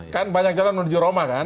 kan banyak jalan menuju roma kan